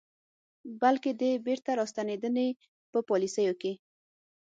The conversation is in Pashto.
بلکې د بیرته راستنېدنې په پالیسیو کې